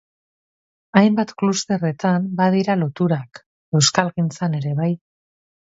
Hainbat klusterretan badira loturak, euskalgintzan ere bai...